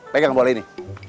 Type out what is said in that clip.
pegang boleh ini